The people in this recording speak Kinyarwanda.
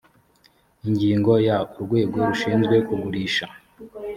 ingingo ya…: urwego rushinzwe kugurisha